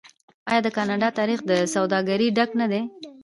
آیا د کاناډا تاریخ له سوداګرۍ ډک نه دی؟